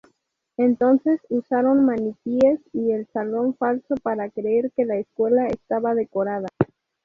Entonces usaron maniquíes y el salón falso para creer que la escuela estaba decorada.